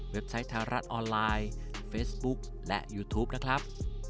ไซต์ไทยรัฐออนไลน์เฟซบุ๊คและยูทูปนะครับ